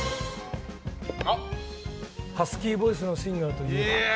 ハスキーヴォイスのシンガーといえば？